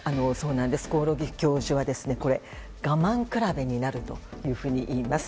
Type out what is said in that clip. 興梠教授は我慢比べになるというふうにいいます。